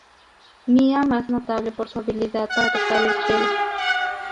Mia más notable por su habilidad para tocar el Chelo.